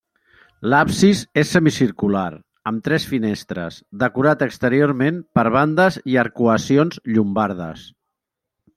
L'absis és semicircular, amb tres finestres, decorat exteriorment per bandes i arcuacions llombardes.